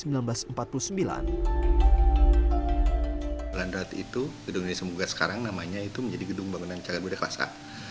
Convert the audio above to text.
gedung indonesia menggugat sekarang namanya itu menjadi gedung bangunan cagadwara kelas a